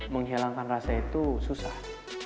menghilangkan rasa itu susah